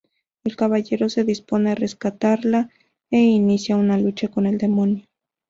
El caballero se dispone a rescatarla e inicia una lucha con el demonio.